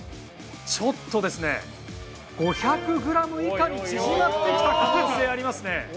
ちょっとですね５００ｇ以下に縮まって可能性ありますね。